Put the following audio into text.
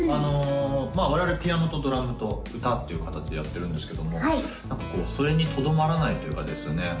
我々ピアノとドラムと歌っていう形でやっているんですけども何かこうそれにとどまらないというかですね